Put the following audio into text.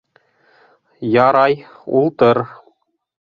Ярай, ултыр...